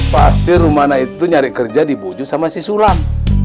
pasti rumana itu nyari kerja dibujuk sama si sulam